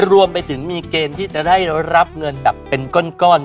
รวมไปถึงมีเกณฑ์ที่จะได้รับเงินแบบเป็นก้อน